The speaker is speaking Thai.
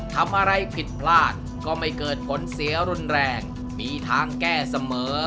ทำอะไรผิดพลาดก็ไม่เกิดผลเสียรุนแรงมีทางแก้เสมอ